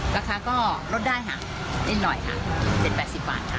ราคาก็ลดได้นิดหน่อย๗๘๐บาท